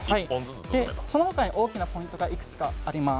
そのほかに大きなポイントが２点あります。